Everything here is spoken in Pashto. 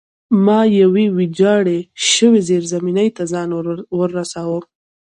ما یوې ویجاړې شوې زیرزمینۍ ته ځان ورساوه